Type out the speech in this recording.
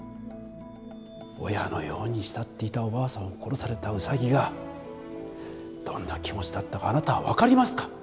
親のように慕っていたおばあさんを殺されたウサギがどんな気持ちだったかあなたは分かりますか？